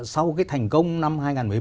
sau cái thành công năm hai nghìn một mươi ba